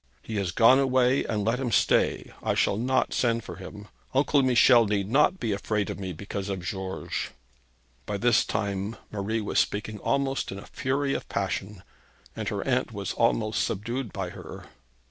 He has gone away, and let him stay. I shall not send for him. Uncle Michel need not be afraid of me, because of George.' By this time Marie was speaking almost in a fury of passion, and her aunt was almost subdued by her.